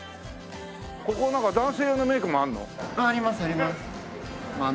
ここは男性用のメイクもあるの？